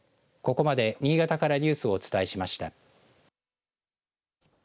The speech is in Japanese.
ここまで新潟からニュースをお伝えしました。